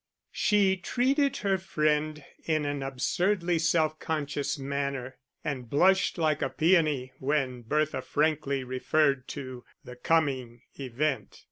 She treated her friend in an absurdly self conscious manner, and blushed like a peony when Bertha frankly referred to the coming event.